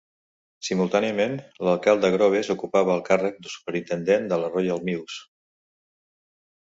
Simultàniament, l'alcalde Groves ocupava el càrrec de superintendent de la Royal Mews.